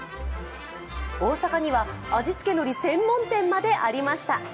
大阪には味付けのり専門店までありました。